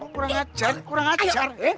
kurang ajar kurang ajar